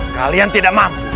kalian tidak mampu